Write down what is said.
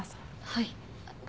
はい。